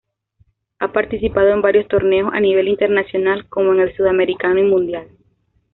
Ha participado en varios torneos a nivel internacional como en el sudamericano y mundial.